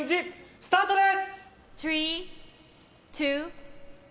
スタートです！